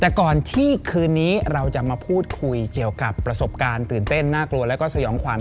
แต่ก่อนที่คืนนี้เราจะมาพูดคุยเกี่ยวกับประสบการณ์ตื่นเต้นน่ากลัวแล้วก็สยองขวัญ